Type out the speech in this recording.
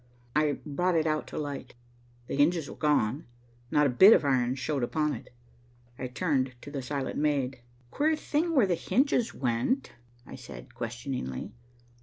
I brought it out to light. The hinges were gone. Not a bit of iron showed upon it. I turned to the silent maid. "Queer thing where the hinges went?" I said questioningly.